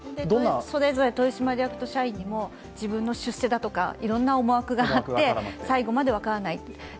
それぞれ取締役と社員にも自分の出世だとかいろんな思惑があって最後まで分からない。